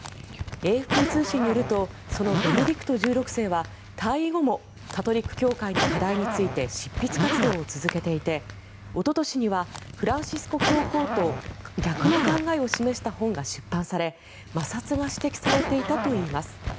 ＡＦＰ通信によるとそのベネディクト１６世は退位後もカトリック教会の課題について執筆活動を続けていておととしにはフランシスコ教皇と逆の考えを示した本が出版され摩擦が指摘されていたといいます。